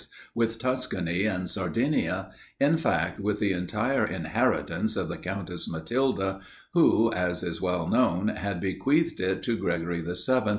with Tuscany and Sardinia, in fact, with the entire inheritance of the Countess Matilda, who, as is well known, had bequeathed it to Gregory VII.